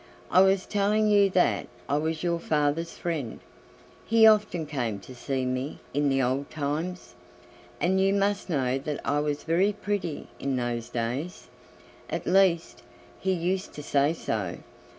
I was telling you that I was your father's friend; he often came to see me in the old times, and you must know that I was very pretty in those days; at least, he used to say so.